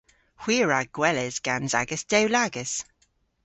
Hwi a wra gweles gans agas dewlagas.